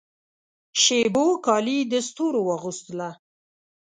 شېبو کالي د ستورو واغوستله